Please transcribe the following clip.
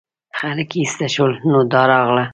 خلک ایسته شول نو دا راغله.